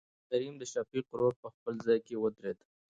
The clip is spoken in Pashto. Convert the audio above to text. کريم دشفيق ورور په خپل ځاى کې ودرېد.